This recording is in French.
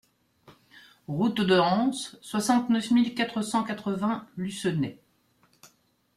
Route de Anse, soixante-neuf mille quatre cent quatre-vingts Lucenay